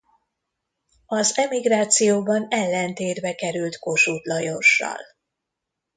Az emigrációban ellentétbe került Kossuth Lajossal.